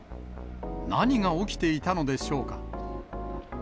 何が起きていたのでしょうか。